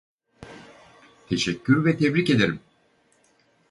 Teşekkür ve tebrik ederim.